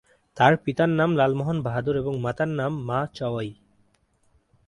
তার পিতার নাম লালমোহন বাহাদুর এবং মাতার নাম মা চয়ই।